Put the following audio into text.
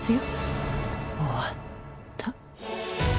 終わった。